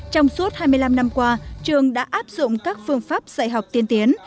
trong suốt hai mươi năm năm qua trường đã áp dụng các phương pháp dạy học tiên tiến